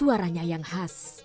suaranya yang khas